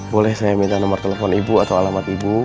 boleh saya minta nomor telepon ibu atau alamat ibu